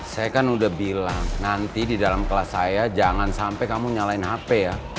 saya kan udah bilang nanti di dalam kelas saya jangan sampai kamu nyalain hp ya